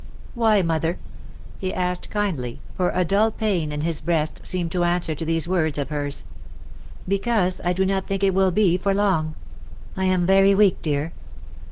''^" Why, mother ?''^ he asked, kindly, for a dull pain in his breast seemed to answer to these words of hers. '' Because I do not think it will be for long. I am very weak, dear.